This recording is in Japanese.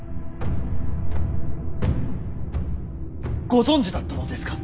ご存じだったのですか。